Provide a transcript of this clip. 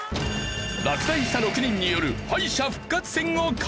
落第した６人による敗者復活戦を開催！